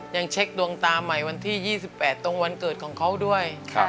ยังเช็คดวงตาใหม่วันที่๒๘ตรงวันเกิดของเขาด้วย